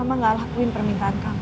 mama gak lakuin permintaan kamu